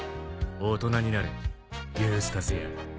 大人になれユースタス屋。